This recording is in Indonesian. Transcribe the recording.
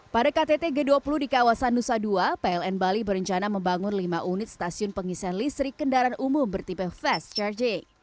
pada ktt g dua puluh di kawasan nusa dua pln bali berencana membangun lima unit stasiun pengisian listrik kendaraan umum bertipe fast charging